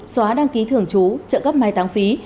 xóa đăng ký thường trú trợ cấp mai tăng phí